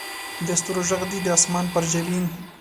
د ستورو ږغ دې د اسمان پر جبین